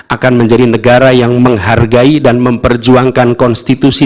akan menjadi negara yang menghargai dan memperjuangkan konstitusi